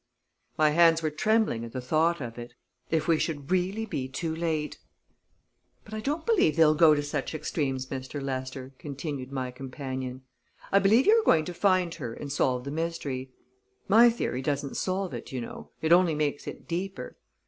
My hands were trembling at the thought of it. If we should really be too late! "But I don't believe they'll go to such extremes, Mr. Lester," continued my companion. "I believe you're going to find her and solve the mystery. My theory doesn't solve it, you know; it only makes it deeper.